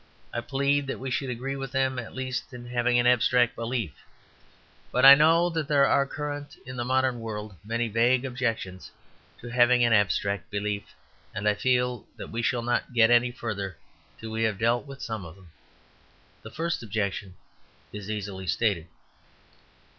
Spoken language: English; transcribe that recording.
I plead that we should agree with them at least in having an abstract belief. But I know that there are current in the modern world many vague objections to having an abstract belief, and I feel that we shall not get any further until we have dealt with some of them. The first objection is easily stated.